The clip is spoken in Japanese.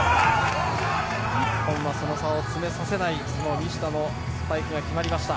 日本の、差を攻めさせない西田のスパイクが決まりました。